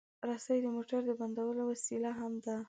رسۍ د موټر د بندولو وسیله هم ده.